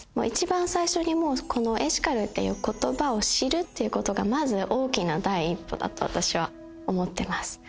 一番最初にもうエシカルっていう言葉を知るっていうことがまず大きな第一歩だと私は思ってます。